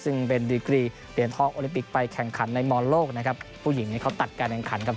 ซึ่งเป็นดีกรีเหรียญทองโอลิปิกไปแข่งขันในมอนโลกนะครับผู้หญิงเนี่ยเขาตัดการแข่งขันกับ